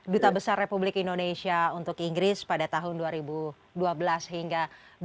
duta besar republik indonesia untuk inggris pada tahun dua ribu dua belas hingga dua ribu dua puluh